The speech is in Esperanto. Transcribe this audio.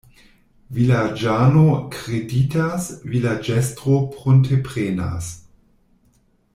Vilaĝano kreditas, vilaĝestro prunteprenas.